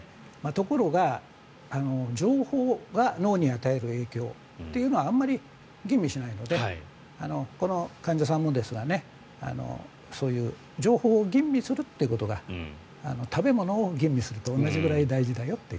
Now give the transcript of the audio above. ところが情報が脳に与える影響というのはあまり吟味しないのでこの患者さんもですがそういう情報を吟味することが食べ物を吟味すると同じぐらい大事だよと。